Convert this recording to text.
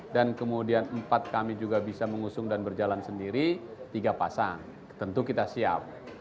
dan kemudian empat kami juga bisa mengusung dan berjalan sendiri tiga pasang tentu kita siap